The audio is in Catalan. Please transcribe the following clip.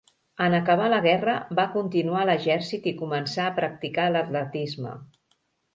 En acabar la guerra va continuar a l'exèrcit i començà a practicar l'atletisme.